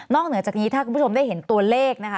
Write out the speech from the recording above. เหนือจากนี้ถ้าคุณผู้ชมได้เห็นตัวเลขนะคะ